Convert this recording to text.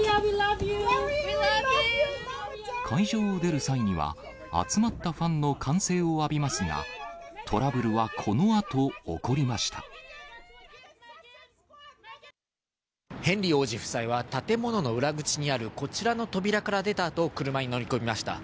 会場を出る際には、集まったファンの歓声を浴びますが、トラブルはこのあと起こりまヘンリー王子夫妻は、建物の裏口にあるこちらの扉から出たあと車に乗り込みました。